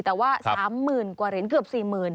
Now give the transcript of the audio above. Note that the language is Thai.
แต่ว่า๓๐๐๐กว่าเหรียญเกือบ๔๐๐๐